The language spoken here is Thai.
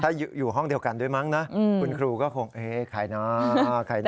ถ้าอยู่ห้องเดียวกันด้วยมั้งนะคุณครูก็คงใครนะ